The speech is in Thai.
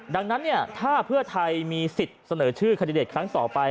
ดังนั้นถ้าเพื่อไทยมีสิทธิ์เสนอชื่อคันดิเดตครั้งต่อไป